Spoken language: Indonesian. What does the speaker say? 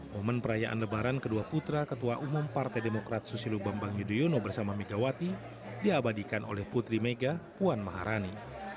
momen perayaan lebaran kedua putra ketua umum partai demokrat susilo bambang yudhoyono bersama megawati diabadikan oleh putri mega puan maharani